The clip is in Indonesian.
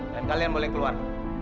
dan kalian boleh keluar